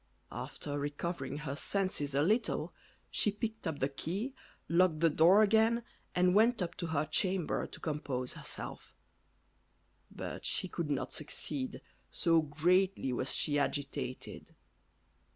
After recovering her senses a little, she picked up the key, locked the door again, and went up to her chamber to compose herself; but she could not succeed, so greatly was she agitated.